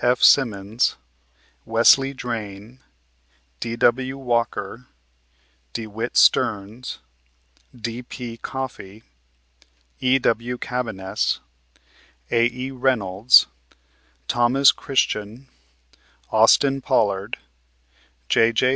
F. Simmons, Wesley Drane, D.W. Walker, DeWitte Stearns, D.P. Coffee, E.W. Cabiness, A.E. Reynolds, Thomas Christian, Austin Pollard, J.J.